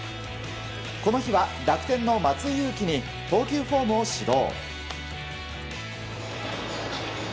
この日は楽天の松井裕樹に投球フォームを指導。